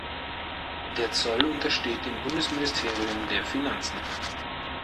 Der Zoll untersteht dem Bundesministerium der Finanzen.